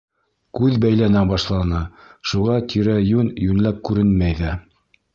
Күҙ бәйләнә башланы, шуға тирә-йүн йүнләп күренмәй ҙә.